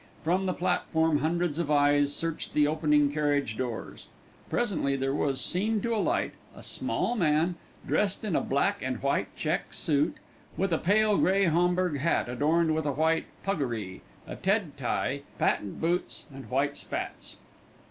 From the platform hundreds of eyes searched the opening carriage doors. Presently there was seen to alight a small man, dressed in a black and white check suit, with a pale grey homburg hat adorned with a white puggaree, a Ted tie, patent boots, and white spats.